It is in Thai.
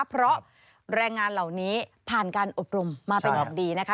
เพราะแรงงานเหล่านี้ผ่านการอบรมมาเป็นอย่างดีนะคะ